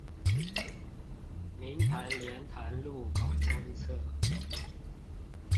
明潭蓮潭路口東側